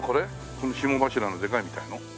この霜柱のでかいみたいなの？